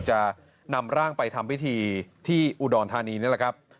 จะนำร่างไปทำพิธีที่อุดรธานีนี่แหละครับ